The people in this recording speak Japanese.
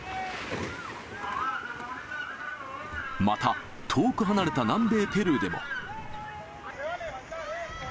また、遠く離れた南米ペルーでも。